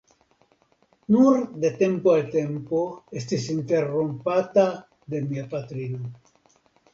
Nur de tempo al tempo estis interrompata de mia patrino.